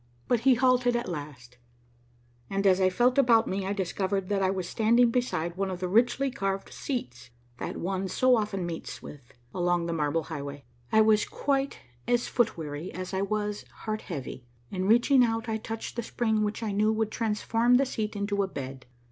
But he halted at last, and, as I felt about me, I discovered that I was standing beside one of the richly carved seats that one so often meets with along the Marble Highwa3^ I was quite as foot weary as I was heart heav^y and reaching out I touched the spring which I knew would transform the seat into a bed.